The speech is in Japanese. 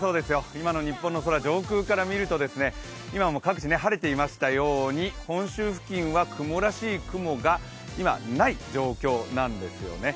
今の日本の空、上空から見ると今も各地晴れていましたように本州付近は、雲らしい雲が今ない状況なんですよね。